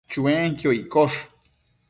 Chuenquio iccosh